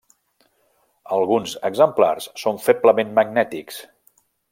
Alguns exemplars són feblement magnètics.